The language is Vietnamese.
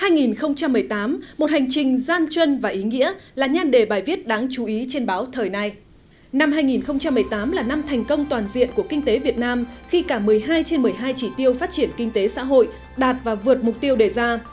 năm hai nghìn một mươi tám là năm thành công toàn diện của kinh tế việt nam khi cả một mươi hai trên một mươi hai chỉ tiêu phát triển kinh tế xã hội đạt và vượt mục tiêu đề ra